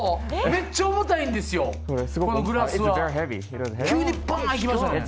めっちゃ重たいんですよ、グラス。